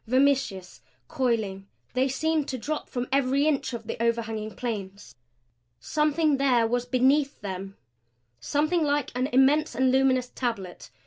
Vermiceous, coiling, they seemed to drop from every inch of the overhanging planes. Something there was beneath them something like an immense and luminous tablet.